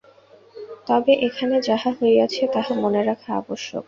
তবে এখানে যাহা হইয়াছে, তাহা মনে রাখা আবশ্যক।